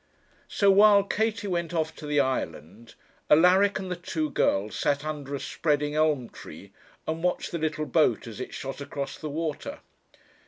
So while Katie went off to the island, Alaric and the two girls sat under a spreading elm tree and watched the little boat as it shot across the water.